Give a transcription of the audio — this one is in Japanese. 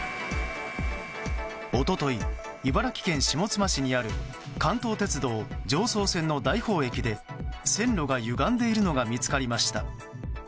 一昨日、茨城県下妻市にある関東鉄道常総線の大宝駅で線路がゆがんでいるのが見つかりました。